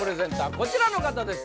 こちらの方です